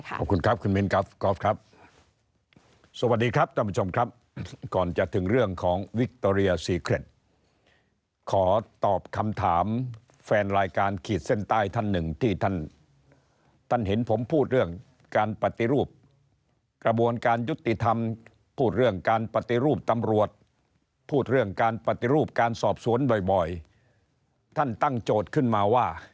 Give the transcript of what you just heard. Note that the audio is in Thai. ทำบริการแบบนี้ได้จริงไหมติดตามพร้อมกันกับคุณสุพรัพย์คิดเข้าใจค่ะ